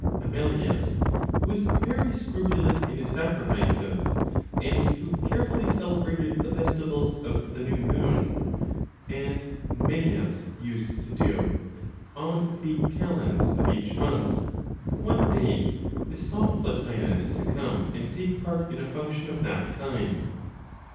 Aurelius, who was very scrupulous in his sacrifices, and who carefully celebrated the Festivals of the New Moon (as Numenius used to do?) (on the Calends of each month), one day besought Plotinos to come and take part in a function of that kind.